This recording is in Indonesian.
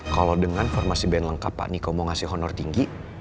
kalo dengan formasi band lengkap paniko mau ngasih honor tinggi